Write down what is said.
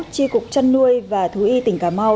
tri cục chăn nuôi và thú y tỉnh cà mau